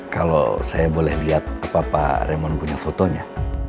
kalau saya boleh lihat apa pak remon punya fotonya